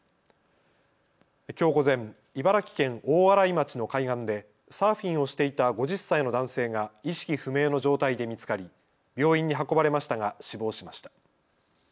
きょう午前、茨城県大洗町の海岸でサーフィンをしていた５０歳の男性が意識不明の状態で見つかり病院に運ばれましたが死亡しました。